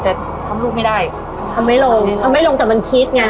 แต่ทำลูกไม่ได้ทำไม่ลงทำไม่ลงแต่มันคิดไง